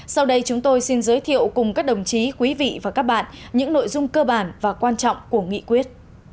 sau đây chúng tôi xin giới thiệu cùng các đồng chí quý vị và các bạn những nội dung cơ bản và quan trọng của nghị quyết